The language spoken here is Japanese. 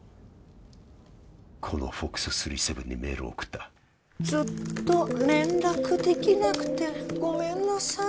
この「ｆｏｘ．７７７」にメールを送った「ずっと連絡できなくてごめんなさい」